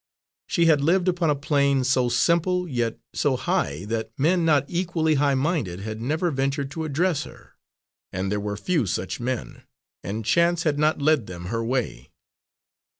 She had lived upon a plane so simple, yet so high, that men not equally high minded had never ventured to address her, and there were few such men, and chance had not led them her way.